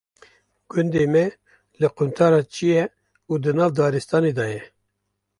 Gundê me li quntara çiyê û di nav daristanê de ye.